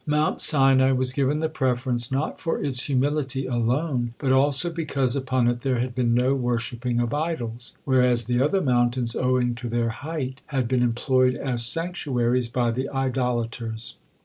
Mount Sinai was given the preference not for its humility alone, but also because upon it there had been no worshipping of idols; whereas the other mountains, owing to their height, had been employed as sanctuaries by the idolaters.